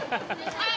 はい！